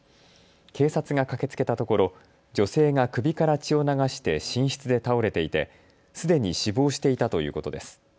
警察が駆けつけたところ女性が首から血を流して寝室で倒れていて、すでに死亡していたということです。